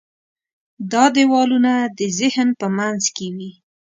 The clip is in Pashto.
دا دیوالونه د ذهن په منځ کې وي.